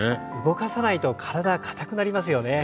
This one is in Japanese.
動かさないと体硬くなりますよね。